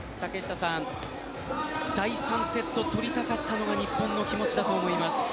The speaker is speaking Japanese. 第３セット取りたかったのが日本の気持ちだと思います。